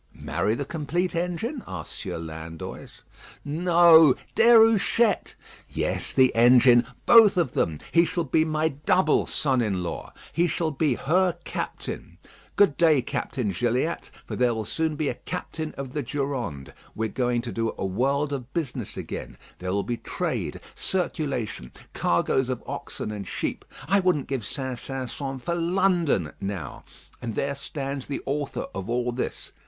"Marry the complete engine?" asked Sieur Landoys. "No; Déruchette; yes; the engine. Both of them. He shall be my double son in law. He shall be her captain. Good day, Captain Gilliatt; for there will soon be a captain of the Durande. We are going to do a world of business again. There will be trade, circulation, cargoes of oxen and sheep. I wouldn't give St. Sampson for London now. And there stands the author of all this.